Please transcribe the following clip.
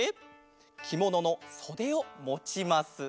きもののそでをもちます。